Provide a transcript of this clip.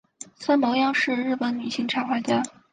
三毛央是日本女性插画家。